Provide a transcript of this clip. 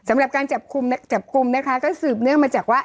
สำหรับการจับกลุ่มนะคะก็สืบเนื่องมาจากว่า